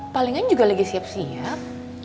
palingan juga lagi siap siap